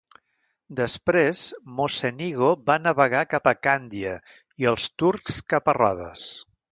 Després, Mocenigo va navegar cap a Càndia, i els turcs cap a Rodes.